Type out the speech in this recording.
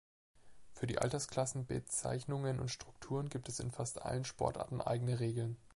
Für die Altersklassen-Bezeichnungen und -Strukturen gibt es in fast allen Sportarten eigene Regeln.